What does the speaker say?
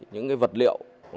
những vật liệu